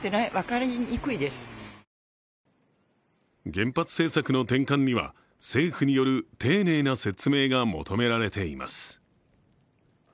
原発政策の転換には政府による丁寧な説明が求められています。